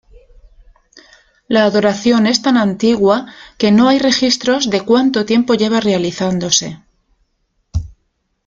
La adoración es tan antigua que no hay registros de cuánto tiempo lleva realizándose.